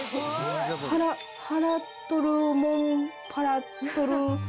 「ハラトルモンパラトル」。